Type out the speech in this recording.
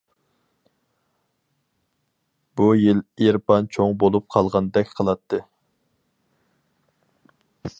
بۇ يىل ئېرپان چوڭ بولۇپ قالغاندەك قىلاتتى.